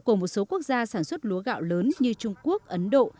của một số quốc gia sản xuất lúa gạo lớn như trung quốc ấn độ